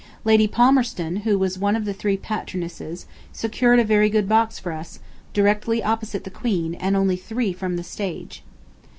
Lady Palmerston, who was one of the three patronesses, secured a very good box for us, directly opposite the Queen, and only three from the stage.